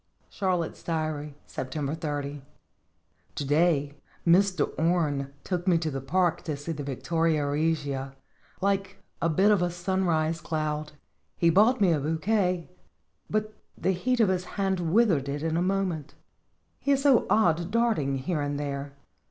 CHARLOTTE'S DIARY. September 30. To day Mr. Orne took me to the park to see the Victoria Regia, like a bit of a sunrise cloud. He bought me a bou quet, but the heat of his hand withered it in a moment. He is so odd darting here and there.